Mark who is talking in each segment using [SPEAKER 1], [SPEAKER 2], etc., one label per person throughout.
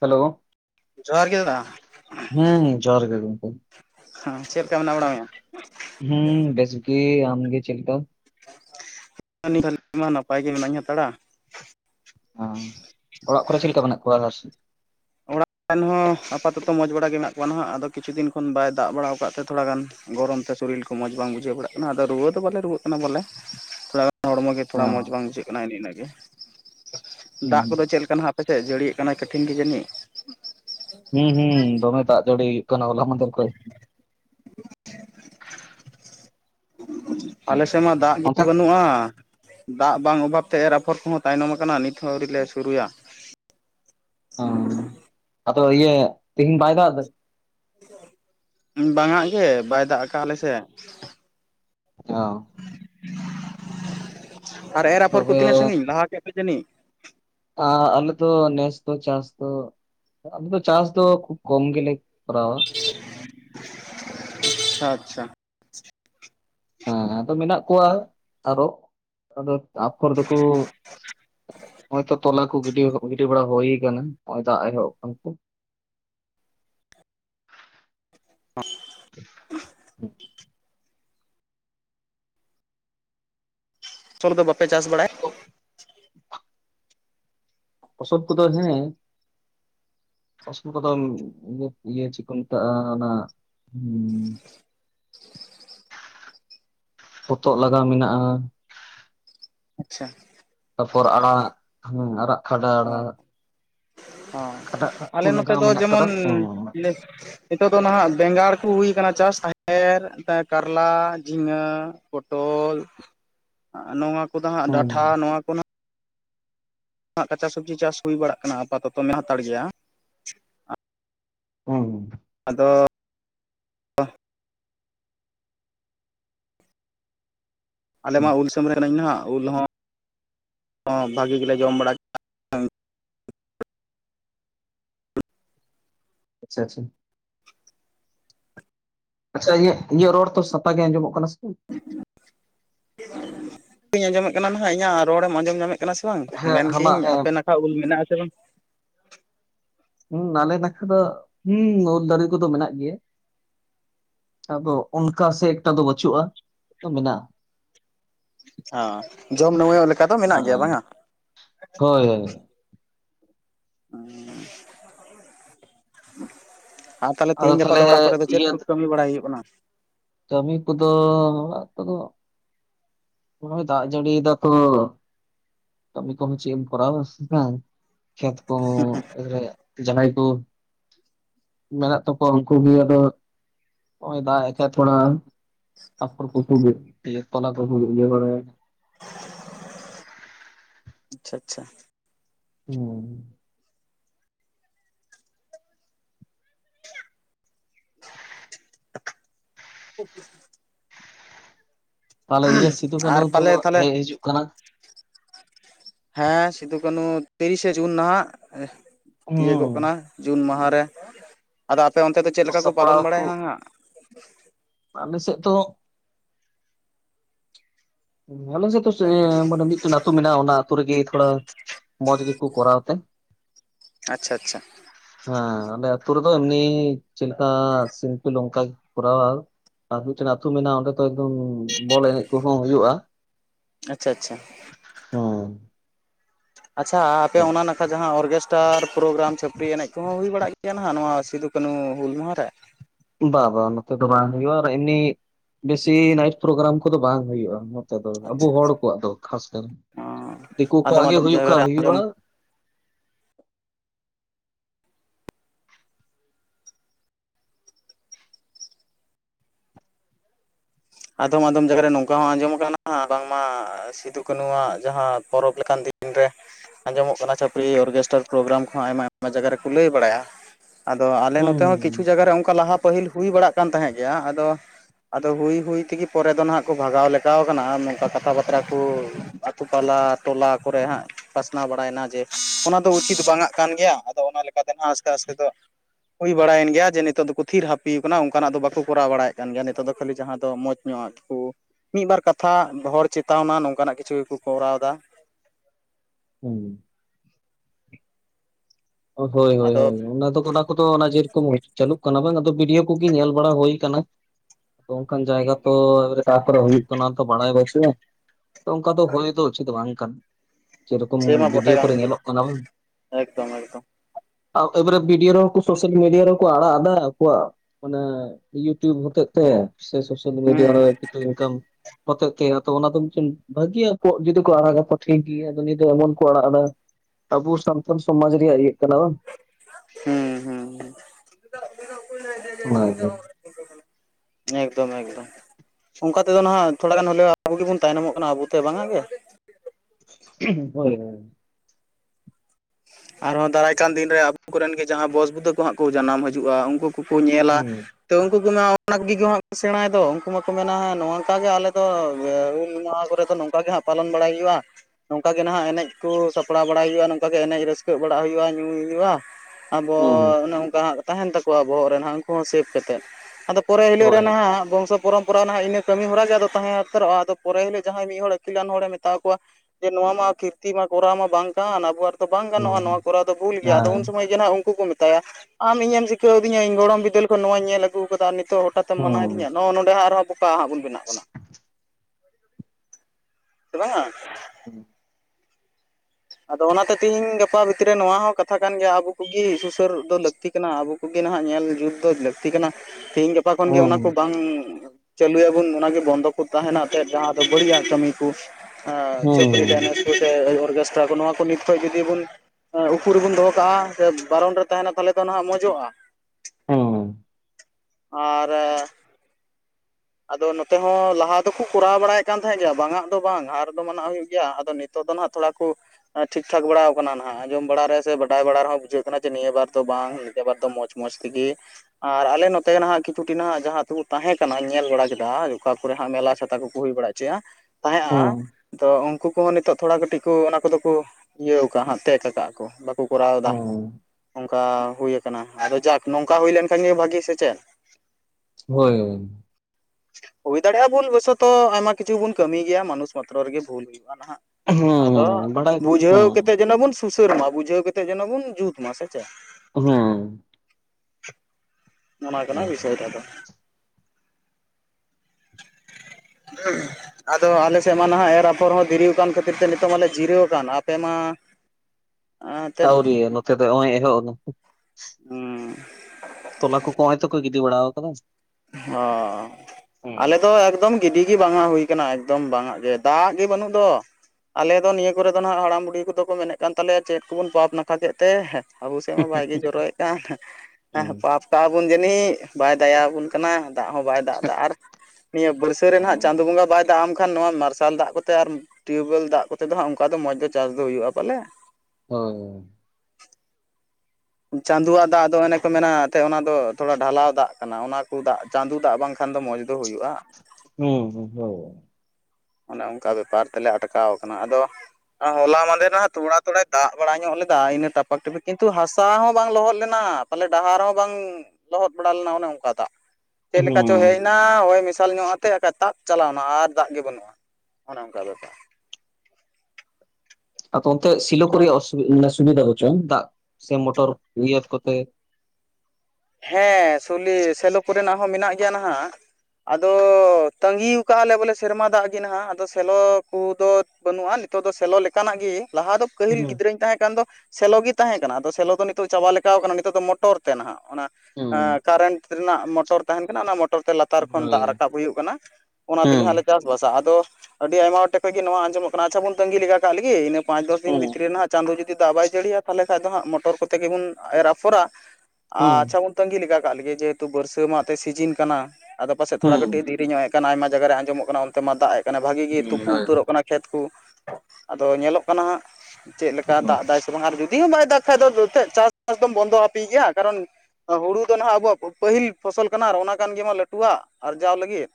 [SPEAKER 1] Hello
[SPEAKER 2] ᱡᱚᱦᱟᱨ ᱜᱮ ᱫᱟᱫᱟ
[SPEAKER 1] ᱦᱩᱸ ᱡᱚᱦᱟᱨ ᱜᱮ ᱜᱚᱝᱠᱮ
[SPEAKER 2] ᱦᱮᱸ ᱪᱮᱫ ᱞᱮᱠᱟ ᱢᱮᱱᱟᱜ ᱵᱟᱲᱟ ᱢᱮᱭᱟ?
[SPEAKER 1] ᱦᱩᱸ ᱵᱮᱥ ᱜᱮ ᱟᱢᱜᱮ ᱪᱮᱫ ᱞᱮᱠᱟ?
[SPEAKER 2] [unintelligible] ᱵᱷᱟᱹᱞᱤ ᱢᱟ ᱱᱟᱯᱟᱭ ᱜᱮ ᱢᱤᱱᱟᱹᱧ ᱦᱟᱛᱟᱲᱟ᱾
[SPEAKER 1] ᱦ [unintelligible] ᱚᱲᱟᱜ ᱠᱚᱨᱮ ᱪᱮᱫ ᱞᱮᱠᱟ ᱢᱮᱱᱟᱜ ᱠᱚᱣᱟ ᱟᱨ
[SPEAKER 2] ᱚᱲᱟᱜ ᱨᱮᱱ ᱦᱚᱸ ᱚᱸ ᱟᱯᱟᱛᱚᱛᱚ ᱢᱚᱡᱽ ᱵᱟᱲᱟᱜᱮ ᱢᱮᱱᱟᱜ ᱠᱚᱣᱟ ᱱᱟᱦᱟᱜ ᱟᱫᱚ ᱠᱤᱪᱷᱩ ᱫᱤᱱ ᱠᱷᱚᱱ ᱵᱟᱭ ᱫᱟᱜ ᱵᱟᱲᱟ ᱟᱠᱟᱫ ᱛᱮ ᱛᱷᱚᱲᱟ ᱜᱟᱱ ᱜᱚᱨᱚᱢ ᱛᱮ ᱥᱚᱨᱤᱨ ᱠᱚ ᱢᱚᱸᱡᱽ ᱵᱟᱝ ᱵᱩᱡᱷᱟᱹᱣ ᱵᱟᱲᱟᱜ ᱠᱟᱱᱟ ᱟᱫᱚ ᱨᱩᱣᱟᱹ ᱫᱚ ᱵᱟᱞᱮ ᱨᱩᱣᱟᱹᱜ ᱠᱟᱱᱟ ᱵᱚᱞᱮ ᱛᱷᱳᱬᱟ ᱦᱚᱲᱢᱚ ᱜᱮ ᱛᱷᱚᱲᱟ ᱢᱚᱡᱽ ᱵᱟᱝ ᱵᱩᱡᱷᱟᱹᱜ ᱠᱟᱱᱟ ᱮᱱᱹ ᱤᱱᱟᱹᱜ ᱜᱮ
[SPEAKER 1] ᱦᱩᱸ
[SPEAKER 2] ᱫᱟᱜ ᱠᱚᱫᱚ ᱪᱮᱫ ᱞᱮᱠᱟᱱᱟᱜ ᱯᱟᱪᱮᱫ ᱡᱟᱹᱲᱤᱭᱮᱜ ᱠᱟᱱᱟᱭ ᱠᱚᱴᱷᱤᱱ ᱜᱮ ᱡᱟᱹᱱᱤᱡ?
[SPEAKER 1] ᱦᱩᱸ ᱦᱩᱸ ᱫᱚᱢᱮ ᱫᱟᱜ ᱡᱟᱹᱲᱤ ᱦᱩᱭᱩᱜ ᱠᱟᱱᱟ ᱦᱚᱞᱟ ᱢᱟᱟᱦᱫᱷᱮᱨ ᱠᱷᱚᱡ᱾
[SPEAKER 2] ᱟᱞᱮ ᱥᱮᱫ ᱢᱟ ᱫᱟᱜ ᱜᱮ
[SPEAKER 1] ᱚᱱᱛᱮ
[SPEAKER 2] ᱵᱟᱹᱱᱩᱜᱼᱟ᱾ ᱫᱟᱜ ᱵᱟᱝ ᱚᱵᱷᱟᱵ ᱛᱮ ᱮᱨ ᱟᱯᱷᱚᱨ ᱠᱚᱦᱚᱸ ᱛᱟᱭᱱᱚᱢ ᱟᱠᱟᱱᱟ ᱱᱤᱛ ᱦᱚᱸ ᱟᱹᱣᱨᱤ ᱞᱮ ᱥᱩᱨᱩᱭᱟ᱾
[SPEAKER 1] ᱚ ᱟᱫᱚ ᱤᱭᱟᱹ ᱛᱮᱦᱤᱧ ᱵᱟᱭ ᱫᱟᱜ ᱫᱟ?
[SPEAKER 2] ᱵᱟᱝᱟᱜ ᱜᱮ ᱵᱟᱭ ᱫᱟᱜ ᱟᱠᱟᱫ ᱟᱞᱮ ᱥᱮᱫ᱾
[SPEAKER 1] [unintelligible] ᱪ
[SPEAKER 2] ᱟᱨ ᱮᱨ ᱟᱯᱷᱚᱨ ᱠᱚ
[SPEAKER 1] ᱛᱚᱵᱮ
[SPEAKER 2] ᱛᱤᱱᱟᱹᱜ ᱥᱟᱺᱜᱤᱧ ᱞᱟᱦᱟ ᱠᱮᱫ ᱯᱮ ᱡᱟᱹᱱᱤᱡ?
[SPEAKER 1] ᱟ ᱟᱞᱮ ᱫᱚ ᱱᱮᱥ ᱫᱚ ᱪᱟᱥ ᱫᱚ ᱟᱞᱮ ᱫᱚ ᱪᱟᱥ ᱫᱚ ᱠᱷᱩᱵ ᱠᱚᱢ ᱜᱮᱞᱮ ᱠᱚᱨᱟᱣᱟ᱾
[SPEAKER 2] [unintelligible] ᱟᱪᱪᱷᱟ ᱟᱪᱪᱷᱟ
[SPEAKER 1] ᱦᱮᱸ ᱟᱫᱚ ᱢᱮᱱᱟᱜ ᱠᱚᱣᱟ ᱟᱨᱚ ᱟᱫᱚ ᱟᱯᱷᱚᱨ ᱫᱚᱠᱩ [unintelligible] ᱢᱛ ᱛᱚᱞᱟ ᱜᱤ ᱜᱤᱰᱤ ᱵᱟᱲᱟ ᱦᱩᱭᱟᱠᱟᱱᱟ ᱱᱚᱜᱚᱭ ᱫᱟᱜ ᱮᱦᱚᱵ ᱟᱠᱟᱱ ᱛᱮ ᱠᱚ
[SPEAKER 2] [unintelligible] [unintelligible] ᱫᱚ ᱵᱟᱯᱮ ᱪᱟᱥ ᱵᱟᱲᱟᱭᱟ᱿
[SPEAKER 1] ᱯᱚᱥᱚᱵ ᱠᱚᱫᱚ ᱦᱮᱸ ᱯᱷᱚᱥᱚᱞ ᱠᱚᱫᱚ ᱤᱭᱟᱹ ᱪᱮᱫ ᱠᱚ ᱢᱮᱛᱟᱜᱼᱟ ᱚᱱᱟ ᱦᱩᱸ
[SPEAKER 2] [unintelligible]
[SPEAKER 1] [unintelligible] ᱦᱚᱛᱚᱫ ᱞᱟᱜᱟᱣ ᱢᱮᱱᱟᱜᱼᱟ᱾
[SPEAKER 2] ᱟᱪᱪᱷᱟ
[SPEAKER 1] ᱛᱟᱯᱚᱨ ᱟᱲᱟᱜ ᱦᱮᱸ ᱟᱲᱟᱜ ᱠᱷᱟᱰᱟ
[SPEAKER 2] ᱚ
[SPEAKER 1] ᱟᱲᱟᱜ᱾
[SPEAKER 2] ᱦᱚᱸ
[SPEAKER 1] ᱠᱷᱟᱰᱟ ᱟᱲᱟᱜ ᱠᱚ
[SPEAKER 2] ᱟᱞᱮ ᱱᱚᱛᱮ
[SPEAKER 1] ᱞᱟᱜᱟᱣ
[SPEAKER 2] ᱫᱚ
[SPEAKER 1] ᱢᱮᱱᱟᱜ ᱠᱟᱫᱟ
[SPEAKER 2] ᱡᱮᱢᱚᱱ
[SPEAKER 1] ᱦᱮᱸ
[SPEAKER 2] ᱱᱤᱛᱚᱜ ᱫᱚ ᱱᱟᱦᱟᱜ ᱵᱮᱸᱜᱟᱲ ᱠᱚ ᱦᱩᱭ ᱟᱠᱟᱱᱟ ᱪᱟᱥ ᱛᱟᱦᱮᱨ ᱠᱟᱨᱞᱟ ᱡᱷᱤᱸᱜᱟᱹ ᱯᱚᱴᱚᱞ ᱱᱚᱣᱟ ᱠᱚᱫᱚ ᱦᱟᱸᱜ
[SPEAKER 1] ᱦᱩᱸ
[SPEAKER 2] ᱰᱟᱴᱷᱟ ᱱᱚᱣᱟ ᱠᱚ ᱱᱟᱜ ᱦᱟᱸᱜ ᱠᱟᱸᱪᱟ ᱥᱚᱵᱽᱡᱤ ᱪᱟᱥ ᱦᱩᱭ ᱵᱟᱲᱟᱜ ᱠᱟᱱᱟ ᱟᱯᱟᱛᱚᱛᱚ ᱢᱮᱱᱟᱜ ᱦᱟᱛᱟᱲ ᱜᱮᱭᱟ᱾
[SPEAKER 1] ᱚ
[SPEAKER 2] ᱟᱫᱚ ᱟᱞᱮ ᱢᱟ
[SPEAKER 1] ᱦᱩᱸ
[SPEAKER 2] ᱩᱞ ᱫᱤᱥᱟᱹᱢ ᱨᱮ ᱠᱟᱱᱟᱹᱧ ᱱᱟᱦᱟᱸᱜ ᱩᱞ ᱦᱚᱸ ᱵᱷᱟᱜᱤ ᱜᱮᱞᱮ ᱡᱚᱢ ᱵᱟᱲᱟ
[SPEAKER 1] ᱟᱪᱪᱷᱟ ᱟᱪᱪᱷᱟ ᱟᱪᱪᱷᱟ ᱤᱧᱟᱹᱜ ᱤᱧᱟᱹᱜ ᱨᱚᱲ ᱛᱚ ᱥᱟᱯᱷᱟᱜ ᱜᱮ ᱟᱸᱡᱚᱢᱚᱜ ᱠᱟᱱᱟ ᱥᱮ?
[SPEAKER 2] ᱵᱟᱹᱧ ᱟᱸᱡᱚᱢᱮᱫ ᱠᱟᱱᱟ ᱱᱟᱦᱟᱸᱜ ᱤᱧᱟᱹᱜ ᱨᱚᱲᱮᱢ ᱟᱸᱡᱚᱢ ᱧᱟᱢᱮᱫ ᱠᱟᱱᱟ ᱥᱮ ᱵᱟᱝ
[SPEAKER 1] ᱦᱮᱸ
[SPEAKER 2] ᱢᱮᱱᱠᱮᱜ
[SPEAKER 1] ᱟᱢᱟᱜ
[SPEAKER 2] ᱟᱹᱧ
[SPEAKER 1] ᱦᱮᱸ
[SPEAKER 2] ᱟᱯᱮ ᱱᱟᱠᱷᱟ ᱩᱞ ᱢᱮᱱᱟᱜᱼᱟ ᱟᱥᱮ ᱵᱟᱝ?
[SPEAKER 1] ᱦᱩᱸ ᱟᱞᱮ ᱱᱟᱠᱷᱟ ᱫᱚ ᱦᱮᱸ ᱩᱞ ᱫᱟᱨᱮ ᱠᱚᱫᱚ ᱢᱮᱱᱟᱜ ᱜᱮᱭᱟ᱾ ᱟᱫᱚ ᱚᱱᱠᱟ ᱥᱮ ᱮᱠᱴᱟ ᱫᱚ ᱵᱟᱹᱪᱩᱜᱼᱟ ᱛᱚ ᱢᱮᱱᱟᱜᱼᱟ᱾
[SPEAKER 2] ᱦᱮᱸ ᱡᱚᱢ ᱱᱟᱹᱢᱟᱹᱭᱚᱜ ᱞᱮᱠᱟ ᱫᱚ ᱢᱮᱱᱟᱜ ᱜᱮᱭᱟ
[SPEAKER 1] ᱦᱮᱸ
[SPEAKER 2] ᱵᱟᱝᱟ?
[SPEAKER 1] ᱦᱳᱭ ᱦᱳᱭ
[SPEAKER 2] ᱦᱮᱸ ᱟᱨ ᱛᱟᱦᱞᱮ
[SPEAKER 1] ᱟᱫᱚ
[SPEAKER 2] ᱛᱤᱦᱤᱧ ᱜᱟᱯᱟ
[SPEAKER 1] ᱛᱟᱦᱚᱞᱮ
[SPEAKER 2] ᱫᱚ ᱚᱲᱟᱜ ᱠᱚᱨᱮ ᱫᱚ ᱪᱮᱫ
[SPEAKER 1] ᱤᱭᱟᱹ
[SPEAKER 2] ᱠᱚ ᱠᱟᱹᱢᱤ ᱵᱟᱲᱟᱭ ᱦᱩᱭᱩᱜ ᱠᱟᱱᱟ?
[SPEAKER 1] ᱠᱟᱹᱢᱤ ᱠᱚᱫᱚ ᱱᱚᱼᱚᱭ ᱫᱟᱜ ᱡᱟᱹᱲᱤᱭ ᱮᱫᱟ ᱛᱚ᱾ ᱠᱟᱹᱢᱤ ᱠᱟᱹᱢᱤ ᱪᱮᱫ ᱮᱢ ᱠᱚᱨᱟᱣᱟ ᱥᱮ ᱵᱟᱝ ᱠᱷᱮᱛ ᱠᱚ ᱦᱮᱲᱮᱛ? ᱡᱟᱦᱟᱸᱭ ᱠᱚ ᱢᱮᱱᱟᱜ ᱛᱟᱠᱚᱣᱟ ᱩᱱᱠᱩ ᱜᱮ ᱟᱫᱚ ᱱᱚᱜᱼᱚᱭ ᱫᱟᱜ ᱮᱫ ᱛᱷᱳᱲᱟ ᱟᱯᱷᱚᱨ ᱠᱚᱠᱚ ᱜᱮ ᱛᱚᱞᱟ ᱠᱚ ᱦᱩᱭᱩᱜ ᱜᱮᱭᱟ [unintelligible]
[SPEAKER 2] ᱟᱪᱪᱷᱟ ᱟᱪᱪᱷᱟ
[SPEAKER 1] ᱦᱩᱸ
[SPEAKER 2] [unintelligible]
[SPEAKER 1] ᱛᱟᱦᱚᱞᱮ ᱤᱭᱟᱹ ᱥᱤᱫᱩ ᱠᱟᱹᱱᱦᱩ
[SPEAKER 2] ᱟᱨ
[SPEAKER 1] ᱫᱚ
[SPEAKER 2] ᱯᱟᱞᱮ ᱛᱟᱦᱞᱮ
[SPEAKER 1] ᱦᱮᱡ ᱦᱤᱡᱩᱜ ᱠᱟᱱᱟ᱾
[SPEAKER 2] ᱦᱮᱸ ᱥᱤᱫᱩ ᱠᱟᱹᱦᱱᱩ ᱛᱤᱨᱤᱥᱮ ᱡᱩᱱ ᱱᱟᱦᱟᱸᱜ
[SPEAKER 1] ᱦᱩᱸ
[SPEAKER 2] ᱛᱤᱭᱟᱹᱜᱚᱜ ᱠᱟᱱᱟ ᱡᱩᱱ ᱢᱟᱦᱟᱸ ᱨᱮ ᱟᱫᱚ ᱟᱯᱮ ᱚᱱᱛᱮ ᱫᱚ ᱪᱮᱫ
[SPEAKER 1] ᱛᱚ
[SPEAKER 2] ᱞᱮᱠᱟ ᱠᱚ
[SPEAKER 1] ᱥᱟᱯᱲᱟᱣ
[SPEAKER 2] ᱯᱟᱞᱚᱱ ᱵᱟᱲᱟᱭᱟ ᱦᱟᱸᱜ?
[SPEAKER 1] ᱟᱢ ᱥᱮᱫ ᱫᱚ ᱟᱞᱮ ᱥᱮᱫ ᱫᱚ ᱢᱟᱱᱮ ᱢᱤᱫᱴᱮᱱ ᱟᱛᱳ ᱢᱮᱱᱟᱜᱼᱟ ᱚᱱᱟ ᱟᱛᱳ ᱨᱮᱜᱮ ᱛᱷᱳᱲᱟ ᱢᱚᱸᱡᱽ ᱜᱮᱠᱚ ᱠᱚᱨᱟᱣ ᱛᱮ
[SPEAKER 2] ᱟᱪᱪᱷᱟ ᱟᱪᱪᱷᱟ
[SPEAKER 1] ᱦᱮᱸ ᱟᱞᱮ ᱟᱛᱳ ᱨᱮᱫᱚ ᱮᱢᱱᱤ ᱪᱮᱫ ᱞᱮᱠᱟ ᱥᱤᱞᱯᱮᱞ ᱚᱱᱠᱟ ᱜᱮᱠᱚ ᱠᱚᱨᱟᱣᱟ᱾ ᱟᱨ ᱢᱤᱫᱴᱮᱡ ᱟᱛᱳ ᱢᱮᱱᱟᱜᱼᱟ ᱚᱸᱰᱮ ᱛᱚ ᱮᱠᱫᱚᱢ ᱵᱚᱞ ᱮᱱᱮᱡ ᱠᱚᱦᱚᱸ ᱦᱩᱭᱩᱜᱼᱟ᱾
[SPEAKER 2] ᱟᱪᱪᱷᱟ ᱟᱪᱪᱷᱟ
[SPEAKER 1] ᱦᱳᱭ
[SPEAKER 2] ᱟᱪᱪᱷᱟ ᱟᱯᱮ ᱚᱱᱟ ᱱᱟ ᱼᱠᱷᱟ ᱡᱟᱦᱟᱸ ᱚᱨᱜᱮᱥᱴᱟᱨ ᱯᱨᱳᱨᱟᱢ ᱪᱷᱟᱹᱯᱨᱤ ᱮᱱᱮᱡ ᱠᱚᱦᱚᱸ ᱦᱩᱭ ᱵᱟᱲᱟᱜ ᱜᱮᱭᱟ ᱱᱟᱦᱟᱸᱜ ᱱᱚᱣᱟ ᱥᱤᱫᱩᱼᱠᱟᱹᱦᱱᱩ ᱦᱩᱞ ᱢᱟᱦᱟᱸ ᱨᱮ?
[SPEAKER 1] ᱵᱟ ᱵᱟᱝ ᱱᱚᱛᱮ ᱫᱚ ᱵᱟᱝ ᱦᱩᱭᱩᱜᱼᱟ ᱟᱨ ᱮᱢᱱᱤ ᱵᱮᱥᱤ ᱱᱟᱭᱤᱴ ᱯᱨᱳᱜᱨᱟᱢ ᱠᱚᱫᱚ ᱵᱟᱝ ᱦᱩᱭᱩᱜᱼᱟ᱾ ᱟᱵᱚ
[SPEAKER 2] ᱟᱪᱪᱷᱟ
[SPEAKER 1] ᱦᱚᱲ ᱠᱚᱣᱟᱜ ᱫᱚ ᱠᱷᱟᱥᱠᱟᱨ ᱫᱤᱠᱩ
[SPEAKER 2] ᱟᱫᱚᱢ
[SPEAKER 1] ᱠᱚᱣᱟᱜ ᱜᱮ
[SPEAKER 2] ᱟᱫᱚᱢ
[SPEAKER 1] ᱦᱩᱭᱩᱜ
[SPEAKER 2] ᱡᱟᱭᱜᱟ
[SPEAKER 1] ᱠᱷᱟᱡ
[SPEAKER 2] ᱨᱮ
[SPEAKER 1] ᱦᱩᱭᱩᱜᱼᱟ᱾
[SPEAKER 2] ᱟᱸᱡᱚᱢ ᱟᱫᱷᱚᱢ ᱟᱫᱚᱢ ᱡᱟᱭᱜᱟ ᱨᱮ ᱱᱚᱝᱠᱟ ᱦᱚᱸ ᱟᱸᱡᱚᱢ ᱟᱠᱟᱱᱟ ᱵᱟᱝᱢᱟ ᱥᱤᱫᱩ ᱠᱟᱹᱦᱱᱩᱣᱟᱜ ᱡᱟᱦᱟᱸ ᱯᱚᱨᱚᱵᱽ ᱞᱮᱠᱟᱱ ᱫᱤᱱ ᱨᱮ ᱟᱸᱡᱚᱢᱚᱜ ᱠᱟᱱᱟ ᱪᱷᱟᱹᱯᱨᱤ ᱚᱨᱜᱮᱥᱴᱟᱨ ᱯᱨᱳᱜᱨᱟᱢ ᱠᱚᱦᱚᱸ ᱟᱭᱢᱟ ᱟᱭᱢᱟ ᱡᱟᱭᱜᱟ ᱨᱮᱠᱚ ᱞᱟᱹᱭ ᱵᱟᱲᱟᱭᱟ ᱾ ᱟᱫᱚ ᱟᱞᱮ
[SPEAKER 1] ᱦᱩᱸ
[SPEAKER 2] ᱱᱚᱛᱮ ᱦᱚᱸᱼᱼ ᱠᱤᱪᱷᱩ ᱡᱟᱭᱜᱟ ᱨᱮ ᱚᱱᱠᱟ ᱞᱟᱦᱟ ᱯᱟᱹᱦᱤᱞ ᱦᱩᱭ ᱵᱟᱲᱟᱜ ᱠᱟᱱ ᱛᱟᱦᱮᱸᱱ ᱜᱮᱭᱟ, ᱟᱫᱚ ᱟᱫᱚ ᱦᱩᱭ ᱦᱩᱭᱼᱼ ᱚᱱᱟ ᱛᱮᱜᱮ ᱯᱚᱨᱮ ᱫᱚ ᱱᱟᱦᱟᱸᱜ ᱠᱚ ᱵᱷᱟᱜᱟᱣ ᱞᱮᱠᱟᱣ ᱠᱟᱱᱟ ᱱᱚᱝᱠᱟ ᱠᱟᱛᱷᱟ ᱵᱟᱛᱨᱟ ᱠᱚ, ᱟᱛᱳ ᱯᱚᱞᱟ ᱴᱚᱞᱟ ᱠᱚᱨᱮ ᱦᱟᱸᱜᱼᱼ ᱯᱟᱥᱱᱟᱣ ᱵᱟᱲᱟᱭᱱᱟ ᱡᱮ, ᱚᱱᱟ ᱫᱚ ᱩᱪᱤᱛ ᱵᱟᱝᱟᱜ ᱠᱟᱱ ᱜᱮᱭᱟ ᱟᱫᱚ ᱚᱱᱟ ᱞᱮᱠᱟᱛᱮ ᱦᱟᱸᱜ ᱟᱥᱛᱮ ᱟᱥᱛᱮ ᱫᱚᱼᱼ ᱦᱩᱭ ᱵᱟᱲᱟᱭᱮᱱ ᱜᱮᱭᱟ ᱡᱮ ᱱᱤᱛᱚᱜ ᱫᱚᱠᱚ ᱛᱷᱤᱨ ᱦᱟᱹᱯᱤᱣ ᱟᱠᱟᱱᱟ ᱚᱱᱠᱟᱱᱟᱜ ᱫᱚ ᱵᱟᱠᱚ ᱠᱚᱨᱟᱣ ᱵᱟᱲᱟᱭᱮᱫ ᱠᱟᱱ ᱜᱮᱭᱟ ᱱᱤᱛᱚᱜ ᱫᱚ ᱠᱷᱟᱹᱞᱤ ᱡᱟᱦᱟᱸ ᱫᱚ ᱢᱚᱸᱡᱽᱼᱼ ᱧᱩᱣᱟᱜ ᱠᱚ, ᱢᱤᱫ ᱵᱟᱨ ᱠᱟᱛᱷᱟ ᱦᱚᱲ ᱪᱮᱛᱟᱣᱱᱟ ᱱᱚᱝᱠᱟᱱᱟᱜ ᱠᱤᱪᱷᱩ ᱜᱮᱠᱚ ᱠᱚᱨᱟᱣ ᱮᱫᱟ ᱾
[SPEAKER 1] ᱦᱩᱸ ᱦᱳᱭ ᱦᱳᱭ
[SPEAKER 2] ᱟᱫᱚ
[SPEAKER 1] ᱦᱳᱭ, ᱚᱱᱟ ᱫᱚ [unintelligible] ᱫᱚ ᱚᱱᱟ ᱡᱮᱨᱚᱠᱚᱢ ᱪᱟᱹᱞᱩᱜ ᱠᱟᱱᱟ ᱵᱟᱝ ᱟᱫᱚ ᱵᱷᱤᱰᱤᱭᱳ ᱠᱚᱜᱮ ᱧᱮᱞ ᱵᱟᱲᱟ ᱦᱩᱭ ᱠᱟᱱᱟ ᱾ ᱚᱱᱠᱟᱱ ᱡᱟᱭᱜᱟ ᱛᱚ ᱮ ᱚᱠᱟ ᱠᱚᱨᱮ ᱦᱩᱭᱩᱜ ᱠᱟᱱᱟ ᱛᱚ ᱵᱟᱲᱟᱭ ᱵᱟᱹᱪᱷᱩᱜᱼᱟ ᱾ ᱛᱚ ᱚᱱᱠᱟ ᱫᱚ ᱦᱩᱭ ᱫᱚ ᱩᱪᱤᱛ ᱵᱟᱝ ᱠᱟᱱᱟ ᱾
[SPEAKER 2] ᱥᱮ ᱢᱟ ᱵᱚᱴᱮ ᱠᱟᱝ ᱜᱮ, ᱮᱠᱫᱚᱢ ᱮᱠᱫᱚᱢ ᱾
[SPEAKER 1] ᱟ ᱛᱟᱵᱚᱨᱮ ᱵᱷᱤᱰᱤᱭᱳ ᱨᱮ ᱠᱩ, ᱥᱳᱥᱟᱞ ᱢᱤᱰᱤᱭᱟ ᱨᱮᱠᱚ ᱟᱲᱟᱜ ᱟᱫᱟ ᱟᱠᱣᱟᱜᱼᱼ ᱚᱱᱮ ᱤᱭᱩᱴᱤᱭᱩᱵᱽ ᱦᱚᱛᱮᱡ ᱛᱮ, ᱥᱮ ᱥᱳᱥᱟᱞ ᱢᱤᱰᱤᱭᱟ
[SPEAKER 2] ᱦᱩᱸ
[SPEAKER 1] ᱨᱮ ᱠᱤᱪᱷᱩ ᱤᱱᱠᱟᱢᱼᱼ ᱦᱚᱛᱮ ᱛᱮ ᱟᱫᱚ ᱚᱱᱟ ᱫᱚ ᱢᱤᱫᱴᱮᱱ ᱵᱷᱟᱜᱤᱭᱟᱜ ᱡᱩᱫᱤ ᱠᱚ ᱟᱲᱟᱜᱟᱠᱚ ᱴᱷᱤᱠ ᱜᱮᱭᱟ ᱟᱫᱚ ᱱᱤᱭᱟᱹ ᱫᱚ ᱮᱢᱚᱱ ᱠᱚ ᱟᱲᱟᱜ ᱮᱫᱟᱼᱼ ᱟᱵᱚ ᱥᱟᱱᱛᱟᱞ ᱥᱚᱢᱟᱡᱽ ᱨᱮᱭᱟᱜ ᱤᱭᱟᱹᱜ ᱠᱟᱱᱟ ᱵᱟᱝ ᱾
[SPEAKER 2] ᱦᱩᱸ ᱦᱩᱸ
[SPEAKER 1] ᱚᱱᱟᱜᱮ
[SPEAKER 2] ᱮᱠᱫᱚᱢ ᱮᱠᱫᱚᱢ ᱚᱱᱠᱟ ᱛᱮᱫᱚ ᱱᱟᱦᱟᱜ ᱛᱷᱚᱲᱟ ᱜᱟᱱ ᱦᱳᱞᱮᱣ ᱟᱵᱚ ᱜᱮᱵᱚᱱ ᱛᱟᱭᱱᱚᱢᱚᱜ ᱠᱟᱱᱟ ᱟᱵᱚ ᱛᱮ ᱵᱟᱝᱟ ᱜᱮᱼᱼ
[SPEAKER 1] [unintelligible] ᱦᱳᱭ ᱦᱳᱭ
[SPEAKER 2] ᱟᱨᱦᱚᱸ ᱫᱟᱨᱟᱭ ᱠᱟᱱ ᱫᱤᱱ ᱨᱮ ᱟᱵᱚ ᱠᱚᱨᱮᱱ ᱜᱮ ᱡᱟᱦᱟᱸᱭ ᱵᱚᱥ ᱵᱩᱫᱟᱹ ᱠᱚ ᱦᱟᱸᱜ ᱠᱚ ᱡᱟᱱᱟᱢ ᱦᱤᱡᱩᱜᱼᱟ ᱩᱱᱠᱩᱼᱼ ᱠᱚ ᱧᱮᱞᱟ,
[SPEAKER 1] ᱦᱩᱸ
[SPEAKER 2] ᱛᱚ ᱩᱱᱠᱩ ᱠᱚ ᱢᱮᱱᱟ ᱚᱱᱟᱜᱮ ᱦᱟᱸᱜ ᱠᱚ ᱥᱮᱬᱟᱭ ᱫᱚ ᱩᱱᱠᱩ ᱢᱟᱠᱚ ᱢᱮᱱᱟ ᱦᱮᱸ ᱱᱚᱝᱠᱟ ᱜᱮ ᱟᱞᱮᱼᱼ ᱫᱚ ᱮ ᱦᱩᱞ ᱢᱟᱦᱟ ᱠᱚᱨᱮ ᱫᱚ ᱱᱚᱝᱠᱟ ᱜᱮ ᱟᱵᱼᱼ ᱯᱟᱞᱚᱱ ᱵᱟᱲᱟᱭ ᱦᱩᱭᱩᱜᱼᱟ, ᱱᱚᱝᱠᱟ ᱜᱮ ᱱᱟᱦᱟᱜ ᱮᱱᱮᱡ ᱠᱚ ᱥᱟᱯᱲᱟᱣ ᱵᱟᱲᱟᱭ ᱦᱩᱭᱩᱜᱼᱟ ᱱᱚᱝᱼᱻ ᱠᱟᱜᱮ ᱮᱱᱮᱡ ᱨᱟᱹᱥᱠᱟᱹᱜ ᱵᱟᱲᱟ ᱦᱩᱭᱩᱜᱼᱟ ᱧᱩᱭ ᱦᱩᱭᱩᱜᱼᱟ, ᱟᱵᱚ
[SPEAKER 1] ᱦᱩᱸ
[SPEAKER 2] ᱚᱱᱮ ᱚᱱᱠᱟᱼᱼ ᱛᱟᱸᱦᱮᱱ ᱛᱟᱠᱚᱣᱟ ᱵᱚᱦᱚᱜ ᱨᱮ ᱱᱟᱦᱟᱜ ᱩᱱᱠᱩ ᱦᱚᱸ ᱥᱮᱵᱽ ᱠᱟᱛᱮᱫ, ᱟᱫᱚ ᱯᱚᱨᱮ ᱦᱤᱞᱳᱜ ᱨᱮ
[SPEAKER 1] ᱦᱳᱭ
[SPEAKER 2] ᱱᱟᱦᱟᱜ ᱵᱚᱝᱥᱚᱼᱼ ᱯᱚᱨᱚᱢᱯᱚᱨᱟ ᱱᱟᱜ ᱤᱱᱟᱹ ᱠᱟᱹᱢᱤ ᱦᱚᱨᱟ ᱜᱮ ᱟᱫᱚ ᱛᱟᱦᱮᱸ ᱩᱛᱟᱹᱨᱚᱜᱼᱟ ᱟᱫᱚ ᱯᱚᱨᱮ ᱦᱤᱞᱳᱜ ᱡᱟᱦᱟᱸᱭ ᱢᱤᱫ ᱦᱚᱲ ᱟᱹᱠᱤᱞᱟᱱ ᱦᱚᱲᱮ ᱢᱮᱛᱟ ᱠᱚᱣᱟᱼᱼ ᱡᱮ ᱱᱚᱣᱟ ᱢᱟ ᱠᱷᱤᱨᱛᱤ ᱢᱟ ᱠᱚᱨᱟᱣ ᱢᱟ ᱵᱟᱝ ᱠᱟᱱ ᱟᱵᱚᱣᱟᱜ ᱨᱮᱫᱚ ᱵᱟᱝ ᱜᱟᱱᱚᱜᱼᱟ
[SPEAKER 1] ᱦᱩᱸ
[SPEAKER 2] ᱱᱚᱣᱟ ᱠᱚᱨᱟᱣ ᱫᱚ ᱵᱷᱩᱞ ᱜᱮᱭᱟ, ᱟᱫᱚ
[SPEAKER 1] ᱦᱮᱸ
[SPEAKER 2] ᱩᱱ ᱥᱚᱢᱚᱭᱼᱼ ᱡᱮ ᱱᱟᱜ ᱩᱱᱠᱩ ᱠᱚ ᱢᱮᱛᱟᱭᱟ, ᱟᱢ ᱤᱧᱮᱢ ᱥᱤᱠᱷᱟᱹ ᱟᱹᱫᱤᱧᱟ ᱤᱧ ᱜᱚᱲᱚᱢ ᱵᱤᱫᱟᱹᱞ ᱠᱷᱚᱱ ᱱᱚᱣᱟᱧ ᱧᱮᱞ ᱟᱹᱜᱩ ᱟᱠᱟᱫᱟ ᱟᱨ ᱱᱤᱛᱚᱜ ᱦᱚᱴᱟᱛᱼᱼ ᱛᱮᱢ ᱢᱟᱱᱟᱣ
[SPEAKER 1] ᱦᱩᱸ
[SPEAKER 2] ᱫᱤᱧᱟ ᱱᱚᱜᱼᱚ ᱱᱚᱰᱮ ᱦᱟᱸ ᱟᱨᱦᱚᱸ ᱵᱚᱠᱟ ᱦᱟᱸᱜ ᱵᱚᱱ ᱵᱮᱱᱟᱜ ᱠᱟᱱᱟ ᱾ ᱥᱮ ᱵᱟᱝᱟ?
[SPEAKER 1] ᱦᱩᱸ
[SPEAKER 2] ᱟᱫᱚ ᱚᱱᱟᱛᱮ ᱛᱤᱦᱤᱧ ᱜᱟᱯᱟ ᱵᱷᱤᱛᱨᱤ ᱨᱮ ᱱᱚᱣᱟ ᱦᱚᱸ ᱠᱟᱛᱷᱟ ᱠᱟᱱ ᱜᱮᱭᱟ ᱟᱵᱚ ᱠᱚᱜᱮ ᱥᱩᱥᱟᱹᱨ ᱫᱚ ᱞᱟᱹᱠᱛᱤ ᱾ ᱠᱟᱱᱟ ᱟᱵᱚ ᱠᱚᱜᱮ ᱱᱟᱦᱟᱜ ᱧᱮᱞ ᱡᱩᱛ ᱫᱚ ᱞᱟᱹᱠᱛᱤ ᱠᱟᱱᱟ, ᱛᱮᱦᱤᱧ ᱜᱟᱯᱟ ᱠᱷᱚᱱᱜᱮ
[SPEAKER 1] ᱦᱩᱸ
[SPEAKER 2] ᱚᱱᱟ ᱠᱚ ᱵᱟᱝᱼᱼ ᱪᱟᱹᱞᱩᱭᱟ ᱵᱚᱱ ᱚᱱᱟᱜᱮ ᱵᱚᱱᱫᱚ ᱠᱚ ᱛᱟᱸᱦᱮᱱᱟ ᱛᱮ ᱡᱟᱦᱟᱸ ᱫᱚ ᱵᱟᱹᱲᱤᱡᱟᱜ ᱠᱟᱹᱢᱤ ᱠᱚ ᱮ ᱪᱷᱟᱹᱯᱨᱤ
[SPEAKER 1] ᱦᱩᱸ
[SPEAKER 2] ᱰᱮᱱᱮᱥᱼᱼ ᱠᱚ ᱥᱮ ᱚᱨᱜᱮᱥᱴᱟᱨ ᱠᱚ ᱱᱚᱣᱟ ᱠᱚ ᱱᱤᱛ ᱠᱷᱚᱱ ᱡᱩᱫᱤ ᱵᱚᱱᱼᱼ ᱚ ᱩᱠᱩ ᱨᱮᱵᱚᱱ ᱫᱚᱦᱚ ᱠᱟᱜᱼᱟ, ᱥᱮ ᱵᱟᱨᱚᱱ ᱨᱮ ᱛᱟᱸᱦᱮᱱᱟ ᱛᱟᱦᱚᱞᱮ ᱛᱚ ᱱᱟᱜ ᱢᱚᱡᱚᱜᱼᱟ ᱾
[SPEAKER 1] ᱦᱩᱸᱻ
[SPEAKER 2] ᱟᱨᱮ ᱟᱫᱚ ᱱᱚᱛᱮ ᱦᱚᱸ ᱞᱟᱦᱟ ᱫᱚᱠᱚ ᱠᱚᱨᱟᱣ ᱵᱟᱲᱟᱭᱮᱫ ᱠᱟᱱ ᱛᱟᱦᱮᱸᱫ ᱜᱮᱭᱟ ᱵᱟᱝᱟ ᱫᱚ ᱵᱟᱝ ᱦᱟᱨᱫᱚ ᱢᱟᱱᱟᱜ ᱦᱩᱭᱩᱜ ᱜᱮᱭᱟ, ᱟᱫᱚ ᱱᱤᱼᱼ ᱱᱤᱛᱚᱜ ᱫᱚ ᱱᱟᱜ ᱛᱷᱚᱲᱟ ᱠᱳᱼᱼ ᱴᱷᱤᱠ ᱴᱷᱟᱠ ᱵᱟᱲᱟᱣ ᱟᱠᱟᱱᱟ ᱱᱟᱜ, ᱟᱸᱡᱚᱢ ᱵᱟᱲᱟ ᱨᱮ ᱥᱮ ᱵᱟᱰᱟᱭ ᱵᱟᱲᱟ ᱨᱮᱦᱚᱸ ᱵᱩᱡᱷᱟᱹᱜ ᱠᱟᱱᱟ ᱡᱮ ᱱᱤᱭᱟᱹ ᱵᱟᱨ ᱫᱚ ᱵᱟᱝ ᱱᱤᱭᱟᱹ ᱵᱟᱨ ᱫᱚ ᱢᱚᱸᱡᱽᱼᱼ ᱢᱚᱸᱡᱽ ᱛᱤᱜᱤ, ᱟᱨ ᱟᱞᱮ ᱱᱚᱛᱮ ᱱᱟᱦᱟᱜ ᱠᱤᱪᱷᱩᱴᱤ ᱱᱟᱦᱟᱜ ᱡᱟᱦᱟᱸ ᱛᱮᱠᱚ ᱛᱟᱦᱮᱸ ᱠᱟᱱᱟ ᱧᱮᱞᱼᱼ ᱵᱟᱲᱟ ᱠᱮᱫᱟ ᱚᱠᱟ ᱠᱚᱨᱮ ᱦᱟᱸᱜ ᱢᱮᱞᱟ ᱪᱷᱟᱛᱟ ᱠᱚᱠᱚ ᱦᱩᱭ ᱵᱟᱲᱟ ᱚᱪᱚᱭᱟ, ᱛᱟᱦᱮᱸᱜᱼᱟ,
[SPEAKER 1] ᱦᱩᱸ
[SPEAKER 2] ᱛᱚ ᱩᱱᱠᱩ ᱠᱚᱦᱚᱸ ᱱᱤᱛᱚᱜᱼᱼ ᱛᱷᱚᱲᱟ ᱠᱟᱹᱴᱤᱡ ᱠᱚ ᱚᱱᱟ ᱠᱚᱫᱚ ᱠᱚ ᱤᱭᱟᱹᱣ ᱟᱠᱟᱜ ᱦᱟᱸᱜ ᱛᱮᱠ ᱟᱠᱟᱜ-ᱟ ᱠᱚ ᱵᱟᱠᱚ ᱠᱚᱨᱟᱣ ᱮᱫᱟ᱾
[SPEAKER 1] ᱦᱩᱸ
[SPEAKER 2] ᱚᱝᱠᱟ ᱦᱩᱭ ᱟᱠᱟᱱᱟ ᱟᱫᱚ ᱡᱟᱠ ᱱᱚᱝᱠᱟ ᱦᱩᱭ ᱞᱮᱱᱠᱷᱟᱱ ᱜᱮ ᱵᱷᱟᱜᱤ ᱥᱮ ᱪᱮᱫ?
[SPEAKER 1] ᱦᱳᱭ
[SPEAKER 2] ᱦᱩᱭ ᱫᱟᱲᱮᱭᱟᱜ-ᱟ ᱵᱷᱩᱞ ᱵᱚᱥᱚᱛᱚ ᱟᱭᱢᱟ ᱠᱤᱪᱷᱩ ᱵᱚᱱ ᱠᱟᱹᱢᱤ ᱜᱮᱭᱟ ᱢᱟᱱᱩᱥ ᱢᱟᱛᱨᱚ ᱨᱤᱜᱤ ᱵᱷᱩᱞ ᱦᱩᱭᱩᱜ-ᱟ ᱱᱟᱦᱟᱜ, ᱟᱫᱚ
[SPEAKER 1] ᱦᱩᱸ ᱵᱟᱰᱟᱭ
[SPEAKER 2] ᱵᱩᱡᱷᱟᱹᱣ
[SPEAKER 1] ᱦᱩᱸ
[SPEAKER 2] ᱠᱟᱛᱮ ᱡᱮᱱᱚ ᱵᱚᱱ ᱥᱩᱥᱟᱹᱨ ᱢᱟ ᱵᱩᱡᱷᱟᱹᱣ ᱠᱟᱛᱮ ᱡᱮᱱᱚ ᱵᱩᱱ ᱡᱩᱛ ᱢᱟ ᱥᱮ ᱪᱮᱫ?
[SPEAKER 1] ᱦᱮᱸ
[SPEAKER 2] ᱚᱱᱟ ᱦᱩᱭᱩᱜ ᱠᱟᱱᱟ ᱵᱤᱥᱚᱭ ᱴᱟᱫᱚ᱾ [unintelligible] ᱟᱫᱚ ᱟᱞᱮ ᱥᱮᱫ ᱢᱟ ᱱᱟᱦᱟᱜ ᱮᱨ ᱟᱯᱷᱚᱨ ᱦᱚᱸ ᱫᱮᱨᱤᱠᱟᱱ ᱠᱷᱟᱹᱛᱤᱨ ᱛᱮ ᱱᱤᱛᱚᱜ ᱢᱟᱞᱮ ᱡᱤᱨᱟᱹᱣ ᱟᱠᱟᱱ ᱟᱯᱮ ᱢᱟ ᱮᱱᱛᱮᱫ
[SPEAKER 1] ᱟᱹᱣᱨᱤ ᱱᱚᱛᱮ ᱫᱚ ᱱᱚᱜᱚᱭ ᱮᱦᱚᱵ ᱱᱟ
[SPEAKER 2] ᱦᱩᱸ
[SPEAKER 1] ᱛᱚᱞᱟ ᱠᱚᱠᱚ ᱚᱭ ᱛᱚᱠᱚ ᱜᱤ ᱛᱤ ᱵᱟᱲᱟᱣ ᱠᱟᱫᱟ
[SPEAKER 2] ᱦᱚ ᱟᱞᱮ ᱫᱚ ᱮᱠᱫᱚᱢ ᱜᱤᱰᱤ ᱜᱤ ᱵᱟᱝᱟ ᱦᱩᱭ ᱠᱟᱱᱟ ᱮᱠᱫᱚᱢ ᱵᱟᱝᱟᱜ ᱜᱮ ᱫᱟᱜ ᱜᱮ ᱵᱟᱹᱱᱩᱜ ᱫᱚ, ᱟᱞᱮ ᱫᱚ ᱱᱤᱭᱟᱹ ᱠᱚᱨᱮ ᱫᱚ ᱱᱦᱟᱜ ᱦᱟᱲᱟᱢ ᱵᱩᱲᱦᱤ ᱠᱚᱫᱚ ᱠᱚ ᱢᱮᱱᱮᱫ ᱠᱟᱱ ᱛᱟᱞᱮᱭᱟ, ᱪᱮᱫ ᱠᱚᱵᱚᱱ ᱯᱟᱯ ᱱᱟᱠᱷᱟ ᱠᱮᱫ ᱛᱮ? ᱟᱵᱚ ᱥᱮᱫ ᱢᱟ ᱵᱟᱭᱜᱮ ᱡᱚᱨᱚᱭᱮᱫ ᱠᱟᱱ ᱦᱮ ᱯᱟᱯ ᱠᱟᱜ-ᱟ ᱵᱚᱱ ᱡᱟᱹᱱᱤᱡ ᱵᱟᱭ ᱫᱟᱭᱟᱵᱚᱱ ᱠᱟᱱᱟ ᱫᱟᱜ ᱦᱚᱸ ᱵᱟᱭ ᱫᱟᱜ ᱫᱟ ᱟᱨ ᱱᱤᱭᱟᱹ ᱵᱟᱹᱨᱥᱟᱹ ᱨᱮ ᱱᱦᱟᱜ ᱪᱟᱸᱫᱳ ᱵᱚᱸᱜᱟ ᱵᱟᱭ ᱫᱟᱜ ᱟᱢ ᱠᱷᱟᱱ ᱱᱚᱣᱟ ᱢᱟᱨᱥᱟᱞ ᱫᱟᱜ ᱠᱚᱛᱮ ᱟᱨ ᱴᱤᱭᱩᱵᱚᱭᱮᱞ ᱫᱟᱜ ᱠᱚᱛᱮ ᱫᱚ ᱦᱟᱜ ᱚᱝᱠᱟ ᱫᱚ ᱢᱚᱸᱡᱽ ᱫᱚ ᱪᱟᱥ ᱫᱚ ᱦᱩᱭᱩᱜ-ᱟ ᱯᱟᱞᱮ᱾
[SPEAKER 1] ᱳ
[SPEAKER 2] ᱪᱟᱸᱫᱳᱣᱟᱜ ᱫᱟᱜ ᱫᱚ ᱚᱱᱮ ᱠᱚ ᱢᱮᱱᱟ ᱮᱱᱛᱮ ᱚᱱᱟ ᱫᱚ ᱛᱷᱚᱲᱟ ᱰᱷᱟᱞᱟᱣ ᱫᱟᱜ ᱠᱟᱱᱟ ᱚᱱᱟ ᱠᱚ ᱫᱟᱜ ᱪᱟᱸᱫᱳ ᱫᱟᱜ ᱵᱟᱝᱠᱷᱟᱱ ᱫᱚ ᱢᱚᱡᱽ ᱫᱚ ᱦᱩᱭᱩᱜ-ᱟ?
[SPEAKER 1] ᱦᱩᱸ ᱦᱩᱸ ᱦᱳ
[SPEAKER 2] ᱚᱱᱮ ᱚᱝᱠᱟ ᱵᱮᱯᱟᱨ ᱛᱮᱞᱮ ᱟᱴᱠᱟᱣ ᱠᱟᱱᱟ ᱟᱫᱚ ᱦᱚᱞᱟ ᱢᱟᱫᱷᱮᱨ ᱱᱦᱟᱜ ᱛᱷᱚᱲᱟ ᱛᱷᱚᱲᱟᱭ ᱫᱟᱜ ᱵᱟᱲᱟ ᱧᱚᱜ ᱞᱮᱫᱟ ᱤᱱᱠᱟᱹ ᱴᱟᱯᱟᱠ ᱴᱟᱯᱤᱠ ᱠᱤᱱᱛᱩ ᱦᱟᱥᱟ ᱦᱚᱸ ᱵᱟᱝ ᱞᱚᱦᱚᱫ ᱞᱮᱱᱟ, ᱛᱟᱞᱮ ᱰᱟᱦᱟᱨ ᱦᱚᱸ ᱵᱟᱝ ᱞᱚᱦᱚᱫ ᱵᱟᱲᱟ ᱞᱮᱱᱟ ᱚᱱᱮ ᱚᱝᱠᱟ ᱫᱟᱜ᱾ ᱪᱮᱜ ᱞᱮᱠᱟ ᱪᱚ
[SPEAKER 1] ᱦᱩᱸ
[SPEAKER 2] ᱦᱮᱡ ᱱᱟ ᱦᱚᱭ ᱢᱮᱥᱟᱞ ᱧᱚᱜ ᱟᱛᱮᱜ ᱛᱟᱵ ᱪᱟᱞᱟᱣ ᱮᱱᱟ ᱟᱨ ᱫᱟᱜ ᱜᱮ ᱵᱟᱹᱱᱩᱜ-ᱟ᱾ ᱚᱱᱮ ᱚᱝᱠᱟ ᱵᱮᱯᱟᱨ᱾
[SPEAKER 1] ᱟᱫᱚ ᱚᱱᱛᱮ ᱥᱤᱞᱳ ᱠᱚᱨᱮᱭᱟᱜ ᱚᱥᱩ ᱱᱮ ᱥᱩᱵᱤᱫᱷᱟ ᱵᱟᱪᱩᱜ-ᱟ ᱫᱟᱜ ᱥᱮ ᱢᱚᱴᱚᱨ ᱩᱭᱟᱨ ᱠᱚᱛᱮ?
[SPEAKER 2] ᱦᱮᱸ ᱥᱩᱞᱤ ᱥᱮᱞᱳ ᱠᱚᱨᱮᱱᱟᱜ ᱦᱚᱸ ᱢᱮᱱᱟᱜ ᱜᱮᱭᱟ ᱱᱟᱦᱟᱜ, ᱟᱫᱚ ᱛᱟᱹᱜᱤ ᱠᱟᱜ-ᱟ ᱞᱮ ᱵᱚᱞᱮ ᱥᱮᱨᱢᱟ ᱫᱟᱜ ᱜᱮ ᱱᱟᱦᱟᱜ ᱟᱫᱚ ᱥᱮᱞᱚ ᱠᱩᱫᱚ ᱵᱟᱹᱱᱩᱜ-ᱟ ᱱᱤᱛᱚᱜ ᱫᱚ ᱥᱮᱞᱚ ᱞᱮᱠᱟᱱᱟᱜ ᱜᱮ ᱞᱟᱦᱟ ᱫᱚ ᱯᱟᱹᱦᱤᱞ
[SPEAKER 1] ᱦᱩᱸ
[SPEAKER 2] ᱜᱤᱫᱽᱨᱟᱹᱧ ᱛᱟᱦᱮᱸ ᱠᱟᱱ ᱫᱚ ᱥᱮᱞᱚ ᱜᱮ ᱛᱟᱦᱮᱸ ᱠᱟᱱᱟ ᱟᱫᱚ ᱥᱮᱞᱚ ᱫᱚ ᱱᱤᱛᱚᱜ ᱪᱟᱵᱟ ᱞᱮᱠᱟᱣ ᱠᱟᱱᱟ ᱱᱤᱛᱚᱜ ᱫᱚ ᱢᱚᱴᱚᱨ ᱛᱮ ᱱᱟᱦᱟᱜ ᱚᱱᱟ
[SPEAKER 1] ᱦᱩᱸ
[SPEAKER 2] ᱠᱟᱨᱮᱱᱴ ᱨᱮᱱᱟᱜ ᱢᱚᱴᱚᱨ ᱛᱟᱦᱮᱱ ᱠᱟᱱᱟ ᱚᱱᱟ ᱢᱚ ᱴᱚᱨ ᱛᱮ ᱞᱟᱛᱟᱨ ᱠᱷᱚᱱ
[SPEAKER 1] ᱦᱳᱭ
[SPEAKER 2] ᱫᱟᱜ ᱨᱟᱠᱟᱵ ᱦᱩᱭᱩᱜ ᱠᱟᱱᱟ ᱚᱱᱟ ᱛᱮᱜᱮ
[SPEAKER 1] ᱦᱩᱸ
[SPEAKER 2] ᱦᱟᱜ ᱞᱮ ᱪᱟᱥ ᱵᱟᱥᱟ ᱟᱫᱚ ᱟᱹᱰᱤ ᱟᱭᱢᱟ ᱦᱚᱲᱴᱷᱮᱡ ᱠᱷᱚᱡ ᱜᱮ ᱱᱚᱣᱟ ᱟᱡᱚᱢᱚᱜ ᱠᱟᱱᱟ ᱟᱪᱪᱷᱟ ᱵᱚᱱ ᱛᱟᱹᱜᱤ ᱞᱮᱜᱟ ᱠᱟᱜ ᱞᱤᱜᱤ ᱤᱱᱟᱹ ᱯᱟᱸᱪ ᱫᱚᱥ ᱫᱤᱱ
[SPEAKER 1] ᱦᱩᱸ
[SPEAKER 2] ᱵᱷᱤᱛᱨᱤ ᱱᱦᱟᱜ ᱪᱟᱸᱫᱚ ᱡᱩᱫᱤ ᱫᱟᱜ ᱵᱟᱭ ᱡᱟᱹᱲᱤᱭᱟ-ᱟ ᱛᱟᱦᱚᱞᱮ ᱠᱷᱟᱡ ᱫᱚ ᱦᱟᱸᱜ ᱢᱚᱴᱚᱨ ᱠᱚᱛᱮ ᱜᱮᱵᱚᱱ ᱮᱨ ᱟᱯᱷᱚᱨᱟ ᱟᱨ ᱵᱚᱱ ᱛᱟᱹᱜᱤ ᱞᱮᱠᱟ ᱠᱟᱜ ᱞᱮᱜᱮ ᱡᱮᱦᱮᱛᱩ ᱵᱟᱹᱨᱥᱟᱹ ᱢᱟ ᱯᱮ ᱥᱤᱡᱤᱱ ᱠᱟᱱᱟ ᱟᱫᱚ ᱯᱟᱥᱮᱡ ᱛᱷᱚᱲᱟ ᱠᱟᱹᱴᱤᱡ
[SPEAKER 1] ᱦᱩᱸ
[SPEAKER 2] ᱫᱤᱨᱤ ᱧᱚᱜ ᱮ ᱠᱟᱱ ᱟᱭᱢᱟ ᱡᱟᱜᱟ ᱨᱮ ᱟᱸᱡᱚᱢᱚᱜ ᱠᱟᱱᱟ ᱚᱱᱛᱮ ᱢᱟ ᱫᱟᱜ ᱮ ᱠᱟᱱᱟ ᱵᱷᱟᱹᱜᱤ ᱜᱤ
[SPEAKER 1] ᱦᱩᱸ
[SPEAKER 2] ᱛᱩᱯᱩ
[SPEAKER 1] ᱦᱳᱭ
[SPEAKER 2] ᱩᱛᱟᱹᱨᱚᱜ ᱠᱟᱱᱟ ᱠᱷᱮᱛ ᱠᱩ ᱟᱫᱚ ᱧᱮᱞᱚᱜ ᱠᱟᱱᱟ ᱦᱟᱸᱜ ᱪᱮᱫ ᱞᱮᱠᱟ
[SPEAKER 1] ᱦᱳᱭ
[SPEAKER 2] ᱫᱟᱜ ᱫᱟᱭ ᱥᱮ ᱵᱟᱝ ᱟᱨ ᱡᱩᱫᱤ ᱦᱚᱸ ᱵᱟᱭ ᱫᱟᱜ ᱠᱷᱟᱡ ᱫᱚ ᱵᱳᱞᱛᱮᱜ ᱪᱟᱥᱵᱟᱥ ᱫᱚᱢ ᱵᱚᱱᱫᱚ ᱦᱟᱯᱤᱭ ᱜᱮᱭᱟ ᱠᱟᱨᱚᱱ ᱦᱩᱲᱩ ᱫᱚ ᱱᱟᱦᱟᱜ ᱟᱵᱚᱣᱟᱜ ᱯᱟᱹᱦᱤᱞ ᱯᱷᱚᱥᱚᱞ ᱠᱟᱱᱟ ᱟᱨ ᱚᱱᱟ ᱠᱟᱱ ᱜᱮᱢᱟ ᱞᱟᱹᱴᱩᱣᱟᱜ ᱟᱨᱡᱟᱣ ᱞᱟᱹᱜᱤᱫ᱾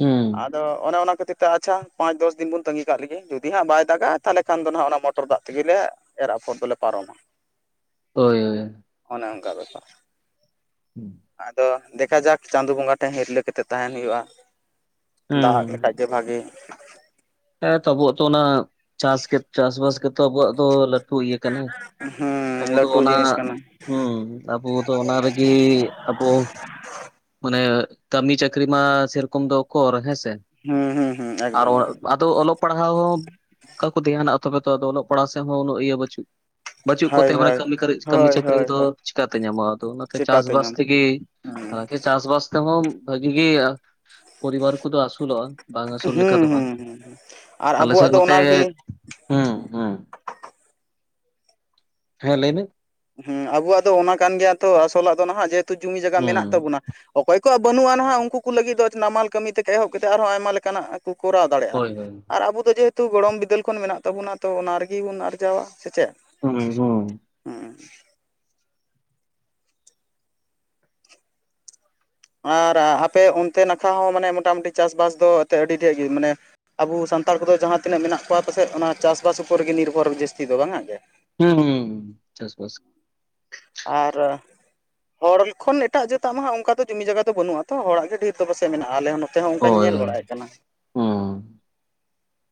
[SPEAKER 1] ᱦᱩᱸ
[SPEAKER 2] ᱟᱫᱚ ᱚᱱᱮ ᱚᱱᱟ ᱠᱷᱟᱹᱛᱤᱨ ᱛᱮ ᱟᱪᱷᱟ ᱯᱟᱸᱪ ᱫᱚᱥ ᱫᱤᱱ ᱵᱚᱱ ᱛᱟᱹᱜᱤ ᱠᱟᱜ ᱞᱮᱜᱮ ᱡᱩᱫᱤ ᱦᱟᱜ ᱵᱟᱭ ᱫᱟᱜᱟ ᱛᱟᱦᱚᱞᱮ ᱠᱷᱟᱱ ᱫᱚ ᱦᱟᱜ ᱚᱱᱟ ᱢᱚᱴᱚᱨ ᱫᱟᱜ ᱛᱮᱜᱮ ᱞᱮ ᱮᱨ ᱟᱯᱷᱚᱨ ᱫᱚᱞᱮ ᱯᱟᱨᱚᱢᱟ᱾
[SPEAKER 1] ᱦᱳᱭ ᱦᱳᱭ ᱦᱳᱭ,
[SPEAKER 2] ᱚᱱᱮ ᱚᱸᱠᱟ ᱵᱮᱯᱟᱨ,
[SPEAKER 1] ᱦᱩᱸ,
[SPEAKER 2] ᱟᱫᱚ ᱫᱮᱠᱷᱟ ᱡᱟᱠ ᱪᱟᱸᱫᱳ ᱵᱚᱸᱜᱟ ᱴᱷᱮᱱ ᱦᱤᱨᱞᱟᱹ ᱠᱟᱛᱮᱫ ᱛᱟᱦᱮᱸᱱ ᱦᱩᱭᱩᱜᱼᱟ ᱫᱟᱜᱼᱟ ᱞᱮᱠᱷᱟᱡ ᱜᱮ ᱵᱷᱟᱜᱤ
[SPEAKER 1] ᱦᱮᱸ ᱛᱚ ᱟᱵᱚᱣᱟᱜ ᱛᱚ ᱚᱱᱟ ᱪᱟᱥ ᱜᱮ ᱪᱟᱥᱵᱟᱥ ᱜᱮᱛᱚ ᱟᱵᱚᱣᱟᱜ ᱫᱚ ᱞᱟᱹᱴᱩ ᱤᱭᱟᱹ ᱠᱟᱱᱟ,
[SPEAKER 2] ᱦᱩᱸ
[SPEAKER 1] ᱟᱵᱚ ᱫᱚ
[SPEAKER 2] ᱞᱟᱹᱴᱩ
[SPEAKER 1] ᱚᱱᱟ
[SPEAKER 2] ᱡᱤᱱᱤᱥ ᱠᱟᱱᱟ
[SPEAKER 1] ᱦᱩᱸ ᱟᱵᱚ ᱫᱚ ᱚᱱᱟ ᱨᱮᱜᱮ ᱟᱵᱚ ᱢᱟᱱᱮ ᱠᱟᱹᱢᱤ ᱪᱟᱹᱠᱨᱤ ᱢᱟ ᱥᱮ ᱨᱚᱠᱚᱢ ᱫᱚ ᱠᱚᱨ ᱦᱮᱸ ᱥᱮ᱾
[SPEAKER 2] ᱦᱩᱸ ᱦᱩᱸ ᱦᱩᱸ ᱮᱠᱫᱚᱢ ᱮᱠᱫᱚᱢ᱾
[SPEAKER 1] ᱟᱫᱚ ᱚᱞᱚᱜ ᱯᱟᱲᱦᱟᱣ ᱦᱚᱸ ᱚᱸᱠᱟ ᱠᱚ ᱫᱷᱮᱭᱟᱱᱟᱜ ᱛᱚᱵᱮ ᱛᱚ ᱚᱞᱚᱜ ᱯᱟᱲᱦᱟᱜ ᱥᱮᱫ ᱦᱚᱸ ᱩᱱᱟᱹᱜ ᱤᱭᱟᱹ ᱵᱟᱹᱪᱩᱜ ᱵᱟᱹᱪᱩᱜ
[SPEAKER 2] ᱦᱳᱭ
[SPEAKER 1] ᱠᱚᱛᱮ ᱚᱱᱮ
[SPEAKER 2] ᱦᱳᱭ
[SPEAKER 1] ᱠᱟᱹᱢᱤ ᱠᱟᱨᱟᱹᱡ ᱠᱟᱹᱢᱤ
[SPEAKER 2] ᱦᱳᱭ
[SPEAKER 1] ᱪᱟᱹᱠᱨᱤ
[SPEAKER 2] ᱦᱳᱭ
[SPEAKER 1] ᱠᱚᱫᱚ
[SPEAKER 2] ᱦᱳᱭ
[SPEAKER 1] ᱪᱮᱠᱟᱛᱮ ᱧᱟᱢᱚᱜᱼᱟ ᱟᱫᱚ ᱚᱱᱟᱛᱮ
[SPEAKER 2] ᱪᱮᱠᱟᱛᱮ
[SPEAKER 1] ᱪᱟᱥᱵᱟᱥ
[SPEAKER 2] ᱧᱟᱢᱚᱜ
[SPEAKER 1] ᱛᱮᱜᱮ ᱟᱫᱚ ᱜᱚᱝᱠᱮ ᱪᱟᱥ ᱵᱟᱥ ᱛᱮᱦᱚᱸ ᱵᱷᱟᱹᱜᱤ ᱜᱮ ᱤᱭᱟᱹᱼᱟ, ᱯᱚᱨᱤᱵᱟᱨ ᱠᱚᱫᱚ ᱟᱹᱥᱩᱞᱚᱜᱼᱟ, ᱵᱟᱝ ᱟᱥᱩᱞ ᱞᱮᱠᱟ
[SPEAKER 2] ᱦᱩᱸ
[SPEAKER 1] ᱫᱚ ᱵᱟᱝ
[SPEAKER 2] ᱦᱩᱸ ᱦᱩᱸ, ᱟ
[SPEAKER 1] ᱟᱞᱮ ᱥᱮᱫ ᱱᱚᱛᱮ ᱦᱩᱸ ᱦᱩᱸ, ᱦᱮᱸ ᱞᱟᱹᱭ ᱢᱮ?
[SPEAKER 2] ᱦᱩᱸ ᱟᱵᱚᱣᱟᱜ ᱫᱚ ᱚᱱᱟ ᱠᱟᱱ ᱜᱮᱭᱟ ᱛᱚ ᱟᱥᱚᱞᱟᱜ ᱫᱚ ᱱᱷᱟᱸᱜ ᱡᱮᱦᱮᱛᱩ ᱡᱩᱢᱤ ᱡᱟᱜᱟ ᱢᱮᱱᱟᱜ
[SPEAKER 1] ᱦᱩᱸ
[SPEAKER 2] ᱛᱟᱵᱩᱱᱟ, ᱚᱠᱚᱭ ᱠᱚᱣᱟᱜ ᱵᱟᱹᱱᱩᱜᱼᱟ ᱱᱷᱟᱸᱜ ᱩᱸᱠᱩ ᱠᱩ ᱞᱟᱹᱜᱤᱫ ᱫᱚ ᱱᱟᱢᱟᱞ ᱠᱟᱹᱢᱤ ᱛᱮ ᱠᱚ ᱮᱦᱚᱵ ᱠᱟᱛᱮᱜ ᱟᱨᱦᱚᱸ ᱟᱭᱢᱟ ᱞᱮᱠᱟᱱᱟᱜᱼᱟ, ᱠᱩ ᱠᱚᱨᱟᱣ ᱫᱟᱲᱮᱭᱟᱜᱼᱟ
[SPEAKER 1] ᱦᱳᱭ ᱦᱳᱭ
[SPEAKER 2] ᱟᱨ ᱟᱵᱚ ᱫᱚ ᱡᱮᱦᱮᱛ- ᱛᱩ ᱜᱚᱲᱚᱢ ᱵᱤᱫᱟᱹᱞ ᱠᱷᱚᱱ ᱢᱮᱱᱟᱜ ᱛᱟᱵᱩᱱᱟ ᱛᱚ ᱚᱱᱟ ᱨᱮᱜᱮ ᱵᱚᱱ ᱟᱨᱡᱟᱣᱼᱟ ᱥᱮ ᱪᱮᱫ?
[SPEAKER 1] ᱦᱩᱸ ᱦᱩᱸ ᱾
[SPEAKER 2] ᱦᱮᱸ᱾ ᱟᱨ ᱟᱯᱮ ᱚᱱᱛᱮ ᱱᱟᱠᱷᱟ ᱦᱚᱸ ᱢᱟᱱᱮ ᱢᱚᱴᱟᱢᱩᱴᱤ ᱪᱟᱥᱼᱵᱟᱥ ᱫᱚ ᱮᱛᱮᱜ ᱟᱹᱰᱤ ᱰᱷᱮᱜ ᱜᱮ ᱢᱟᱱᱮ ᱟᱵᱩ ᱥᱟᱱᱛᱟᱲ ᱠᱚᱫᱚ ᱡᱟᱦᱟᱸ ᱛᱤᱱᱟᱹᱜ ᱢᱮᱱᱟᱜ ᱠᱚᱣᱟ ᱯᱟᱥᱮᱡ ᱚᱱᱟ ᱪᱟᱥᱵᱟᱥ ᱩᱯᱚᱨ ᱨᱮᱜᱮ ᱱᱤᱨᱵᱷᱚᱨ ᱫᱚ ᱡᱟᱹᱥᱛᱤ ᱫᱚ ᱵᱟᱝ ᱟᱜ ᱜᱮ?
[SPEAKER 1] ᱦᱮᱸ ᱦᱩᱸ, ᱪᱟᱥᱵᱟᱥ᱾
[SPEAKER 2] ᱟᱨᱻᱟ ᱦᱚᱲ ᱠᱷᱚᱱ ᱮᱴᱟᱜ ᱡᱟᱹᱛᱼᱟᱜ ᱢᱟ ᱦᱟᱸᱜ ᱚᱸᱠᱟ ᱫᱚ ᱡᱚᱢᱤ ᱡᱟᱜᱟ ᱫᱚ ᱵᱟᱹᱱᱩᱜᱼᱟ ᱛᱚ ᱦᱚᱲᱼᱟᱜ ᱜᱮ ᱰᱷᱤᱨ ᱫᱚ ᱯᱟᱥᱮᱡ ᱢᱮᱱᱟᱜᱼᱟ ᱟᱞᱮ ᱦᱚᱸ ᱱᱚ ᱛᱮᱦᱚᱸ ᱚᱸᱠᱟᱧ ᱧᱮᱞ
[SPEAKER 1] ᱦᱳᱭ
[SPEAKER 2] ᱵᱟᱲᱟᱭᱮᱜ ᱠᱟᱱᱟ᱾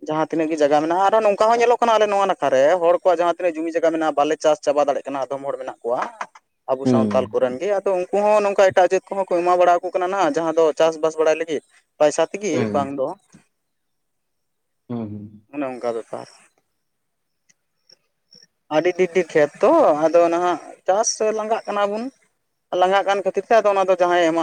[SPEAKER 2] ᱡᱟᱦᱟᱸᱛᱤᱱᱟᱹᱜ ᱜᱮ ᱡᱟᱜᱟ ᱢᱮᱱᱟᱜᱼᱟ ᱟᱨᱦᱚᱸ ᱱᱚᱝᱠᱟ ᱦᱚᱸ ᱧᱮᱞᱚᱜ ᱠᱟᱱᱟ ᱟᱞᱮ ᱱᱚᱣᱟ ᱱᱟᱠᱷᱟ ᱨᱮ ᱦᱚᱲ ᱠᱚᱣᱟᱜ ᱡᱟᱦᱟᱸ ᱛᱤᱱᱟᱹᱜ ᱡᱩᱢᱤ ᱡᱟᱜᱟ ᱢᱮᱱᱟᱜᱼᱟ ᱵᱟᱞᱮ ᱪᱟᱥ ᱪᱟᱵᱟ ᱫᱟᱲᱮᱭᱟᱜ ᱠᱟᱱᱟ ᱟᱫᱚᱢ ᱦᱚᱲ ᱢᱮᱱᱟᱜ ᱠᱚᱣᱟ ᱟᱵᱚ ᱥᱟᱶᱛᱟᱞ ᱠᱚᱨᱮᱱ ᱜᱮ ᱟᱫᱚ ᱩᱸ ᱠᱩ ᱦᱚᱸ ᱱᱚᱝᱠᱟ ᱮᱴᱟᱜ ᱡᱟᱹᱛ ᱠᱚᱦᱚᱸ ᱠᱚ ᱮᱢᱟ ᱵᱟᱲᱟ ᱦᱟᱠᱚ ᱠᱟᱱᱟ ᱱᱷᱟᱸᱜ, ᱡᱟᱦᱟᱸ ᱫᱚ ᱪᱟᱥᱵᱟᱥ ᱵᱟᱲᱟᱭ ᱞᱟᱹᱜᱤᱫ, ᱯᱟᱭᱥᱟ ᱛᱮᱜᱤ ᱵᱟᱝ ᱫᱚ, ᱚᱱᱮ ᱚᱸᱠᱟ ᱵᱮᱯᱟᱨ᱾ ᱟᱹᱰᱤ ᱫᱤᱫᱤ ᱴᱷᱮᱛ ᱛᱚ ᱟᱫᱚ ᱱᱷᱟᱸᱜ ᱪᱟᱥᱼᱮ ᱞᱟᱝᱜᱟᱜ ᱠᱟᱱᱟ ᱵᱩᱱ᱾ ᱞᱟᱝᱜᱟᱜ ᱠᱟᱱ ᱠᱷᱟᱹᱛᱤᱨ ᱛᱮ ᱟᱫᱚ ᱚᱱᱟ ᱫᱚ ᱡᱟᱦᱟᱸᱭ ᱮᱢᱟᱜ